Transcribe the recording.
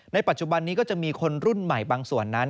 ปัจจุบันนี้ก็จะมีคนรุ่นใหม่บางส่วนนั้น